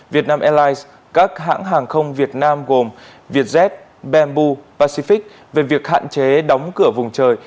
việt nam airlines các hãng hàng không việt nam gồm vietjet bamboo pacific về việc hạn chế đóng cửa vùng trời